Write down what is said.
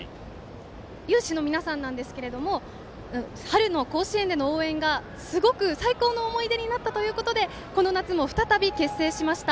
有志の皆さんですが春の甲子園での応援がすごく最高の思い出になったということでこの夏も再び結成しました。